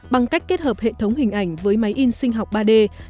bằng cách kết hợp hệ thống hình ảnh với máy in sinh học ba d